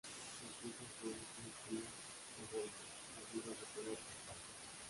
Los frutos son núculas ovoides, agudas, de color castaño.